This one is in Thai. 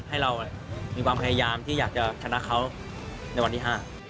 ให้เรามีความพยายามที่อยากจะชนะเขาในวันที่๕